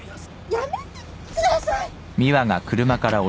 やめてください！